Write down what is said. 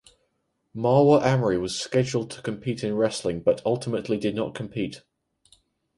Marwa Amri was scheduled to compete in wrestling but ultimately did not compete.